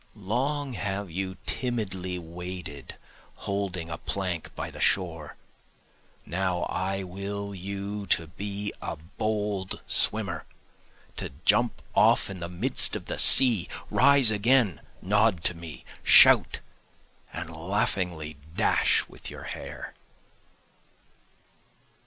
Long have you timidly waded holding a plank by the shore, Now I will you to be a bold swimmer, To jump off in the midst of the sea, rise again, nod to me, shout, and laughingly dash with your hair.